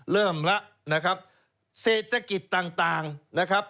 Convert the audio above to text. เริ่มแล้วนะครับเศรษฐกิจต่างนะครับ